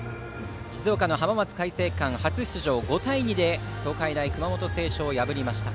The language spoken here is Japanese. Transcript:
静岡の浜松開誠館が５対２で東海大熊本星翔を破りました。